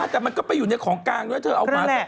แต่มันก็ไปอยู่ในของกลางด้วยเธอ